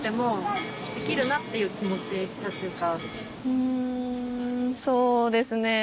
うんそうですね。